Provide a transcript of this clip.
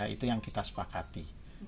itu yang kita sepakati